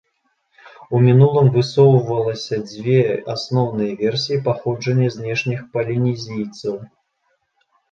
У мінулым высоўвалася дзве асноўныя версіі паходжання знешніх палінезійцаў.